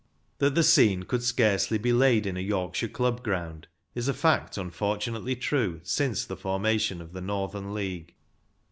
That the scene could scarcely be laid in a York shire club ground is a fact unfortunately true since the formation of the Northern League.